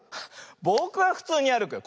ぼくはふつうにあるくよ。